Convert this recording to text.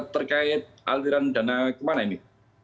terkait aliran dana kemana ini